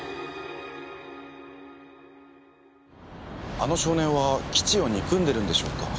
あの少年は基地を憎んでるんでしょうか。